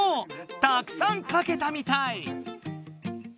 たくさんかけたみたい。